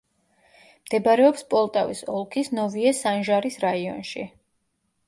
მდებარეობს პოლტავის ოლქის ნოვიე-სანჟარის რაიონში.